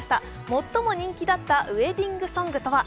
最も人気だったウエディングソングとは？